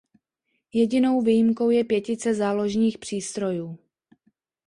Jedinou výjimkou je pětice záložních přístrojů.